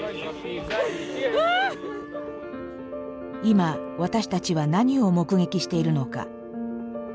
今私たちは何を目撃しているのか。